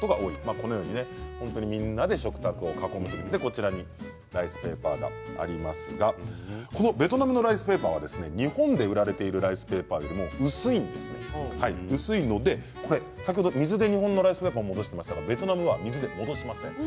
このように、みんなで食卓を囲む時にライスペーパーがありますが、ベトナムのライスペーパーは日本で売られているものよりも薄いので先ほど水で日本のライスペーパーを戻していましたがベトナムでは戻しません。